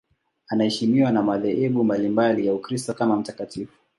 Anaheshimiwa na madhehebu mbalimbali ya Ukristo kama mtakatifu.